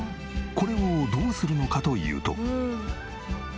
これをどうするのかというと。